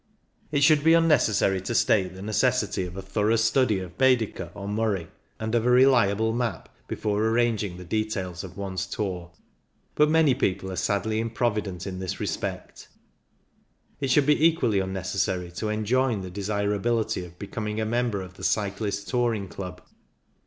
It should be unnecessary to state the necessity of a thorough study of Baedeker or Murray, and of a reliable map, before arranging the details of one's tour; but many people are sadly improvident in this respect It should be equally unnecessary to enjoin the desirability of becoming a member of the Cyclists' Touring Club.